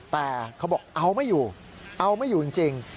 แต่เขาบอกเอาไม่อยู่เอาไม่อยู่จริง